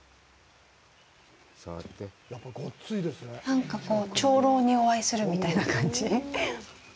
なんかこう長老にお会いするみたいな感じ。